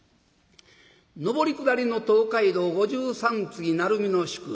上り下りの東海道五十三次鳴海の宿。